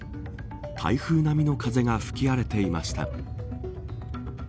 台風並みの風が吹き荒れていました。